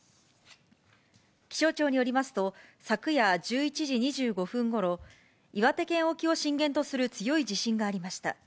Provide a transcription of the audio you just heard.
気象庁によりますと、昨夜１１時２５分ごろ、岩手県沖を震源とする強い地震がありました。